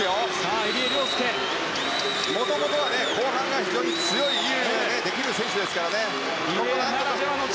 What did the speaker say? もともとは後半が非常にできる選手ですからね。